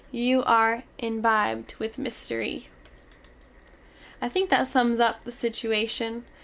You are imbibed with mystery_! I think that sums up the situation.